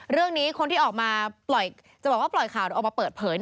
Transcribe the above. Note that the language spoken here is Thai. เรื่องนี้คนที่ออกมาจะบอกว่าปล่อยข่าวออกมาเปิดเผย